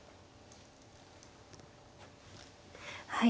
はい。